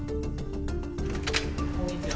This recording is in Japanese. こんにちは。